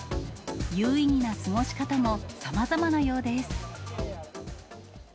有意義な過ごし方もさまざまなようです。